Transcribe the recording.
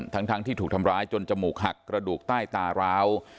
ทั้งที่ถูกทำร้ายจนจมูกหักกระดูกใต้ตาร้าว